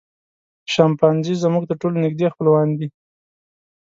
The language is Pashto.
شامپانزي زموږ تر ټولو نږدې خپلوان دي.